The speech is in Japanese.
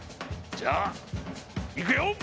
じゃあいくよ。